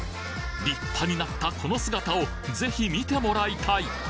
立派になったこの姿をぜひ見てもらいたい！